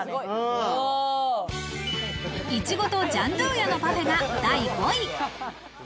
いちごとジャンドゥーヤのパフェが第５位。